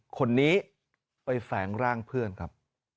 คนนี้ไปแฝงร่างเพื่อนครับ